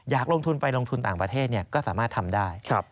อยากลงทุนไปลงทุนต่างประเทศก็สามารถทำได้